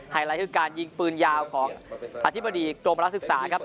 ไลท์คือการยิงปืนยาวของอธิบดีกรมรัฐศึกษาครับ